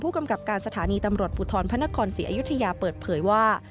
กำกับการสถานีตำรวจภูทรพระนครศรีอยุธยาเปิดเผยว่า